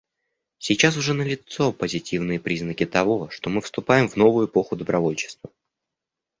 Сейчас уже налицо позитивные признаки того, что мы вступаем в новую эпоху добровольчества.